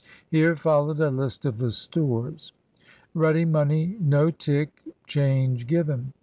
[Here followed a list of the stores.] Ready money. No tick. Change given.